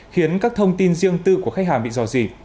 khiến các thông tin riêng tư của khách hàng bị dò dỉ